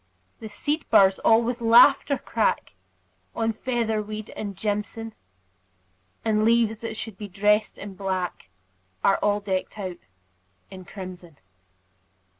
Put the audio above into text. The seed burrs all with laughter crack On featherweed and jimson; And leaves that should be dressed in black Are all decked out in crimson.